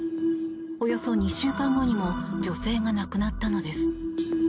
およそ２週間後にも女性が亡くなったのです。